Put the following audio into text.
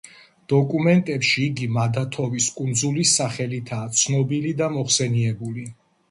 დოკუმენტებში იგი მადათოვის კუნძულის სახელითაა ცნობილი და მოხსენიებული.